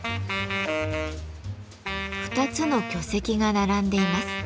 ２つの巨石が並んでいます。